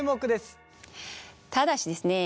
ただしですね